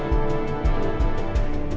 kok itu kayak ricky ya